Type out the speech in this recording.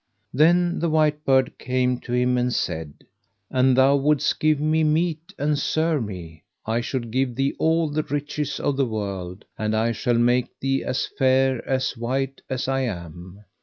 Then the white bird came to him, and said: An thou wouldst give me meat and serve me I should give thee all the riches of the world, and I shall make thee as fair and as white as I am.